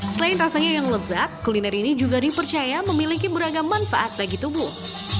selain rasanya yang lezat kuliner ini juga dipercaya memiliki beragam manfaat bagi tubuh